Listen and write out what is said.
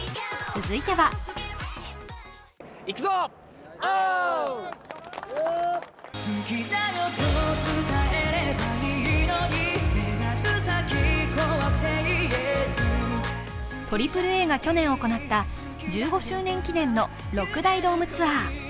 続いてはＡＡＡが去年行った１５周年記念の６大ドームツアー。